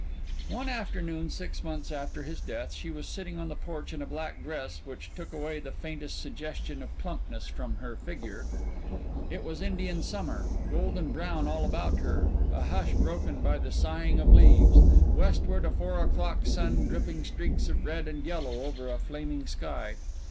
One afternoon six months after his death she was sitting on the porch, in a black dress which took away the faintest suggestion of plumpness from her figure. It was Indian summer golden brown all about her; a hush broken by the sighing of leaves; westward a four o'clock sun dripping streaks of red and yellow over a flaming sky.